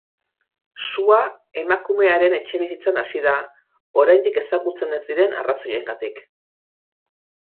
Sua emakumearen etxebizitzan hasi da, oraindik ezagutzen ez diren arrazoiengatik.